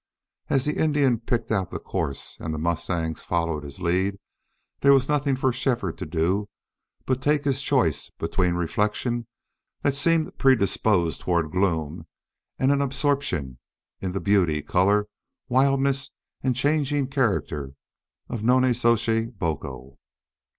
As the Indian picked out the course and the mustangs followed his lead there was nothing for Shefford to do but take his choice between reflection that seemed predisposed toward gloom and an absorption in the beauty, color, wildness, and changing character of Nonnezoshe Boco.